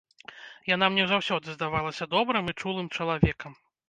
Яна мне заўсёды здавалася добрым і чулым чалавекам.